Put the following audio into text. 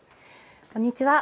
こんにちは。